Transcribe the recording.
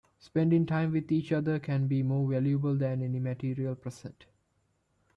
Spending time with each other can be more valuable than any material present.